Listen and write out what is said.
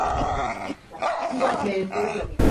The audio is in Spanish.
Fue uno de los fundadores del Partido Socialista Popular.